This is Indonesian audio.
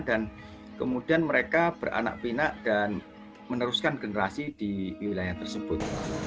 dan kemudian mereka beranak pinak dan meneruskan generasi di wilayah tersebut